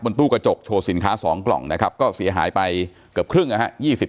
ตู้กระจกโชว์สินค้า๒กล่องนะครับก็เสียหายไปเกือบครึ่งนะฮะ